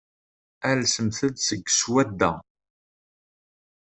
Alsemt-d seg swadda.